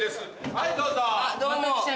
はいどうぞ！